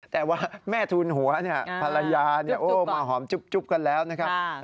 แต่ว่าแม่ทูลหัวภรรยามาหอมจุ๊บกันแล้วนะครับ